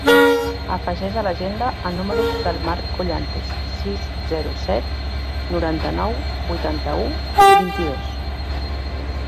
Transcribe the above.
Afegeix a l'agenda el número del Mark Collantes: sis, zero, set, noranta-nou, vuitanta-u, vint-i-dos.